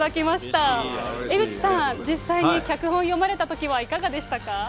江口さん、実際に脚本読まれたときはいかがでしたか？